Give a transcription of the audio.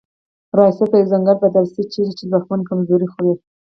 ریاست په یو ځنګل بدل سي چیري چي ځواکمن کمزوري خوري